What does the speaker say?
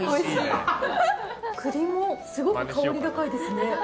栗もすごく香り高いですね。